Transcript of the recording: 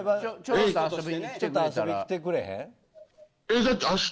ちょっと遊びに来てくれへん。